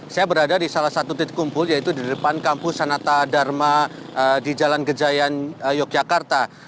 saya berada di salah satu titik kumpul yaitu di depan kampus sanata dharma di jalan gejayan yogyakarta